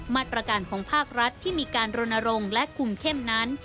มาตรการของภาครัฐที่มีการรณรงค์และคุมเข้มนั้น